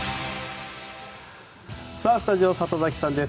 スタジオ、里崎さんです。